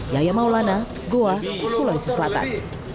yahya maulana goa sulawesi selatan